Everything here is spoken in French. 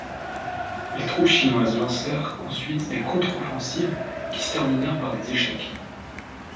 Les troupes chinoises lancèrent ensuite des contre-offensives, qui se terminèrent par des échecs.